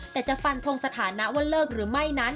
แต่จะฟันทงสถานะว่าเลิกหรือไม่นั้น